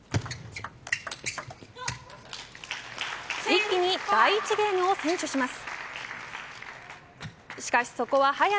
一気に第１ゲームを先取します。